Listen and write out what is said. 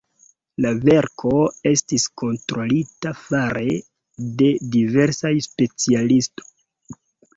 La verko estis kontrolita fare de diversaj specialistoj.